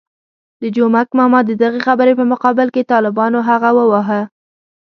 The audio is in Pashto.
د جومک ماما د دغې خبرې په مقابل کې طالبانو هغه وواهه.